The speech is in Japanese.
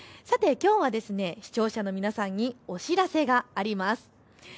さてきょうは視聴者の皆さんにお知らせがあります。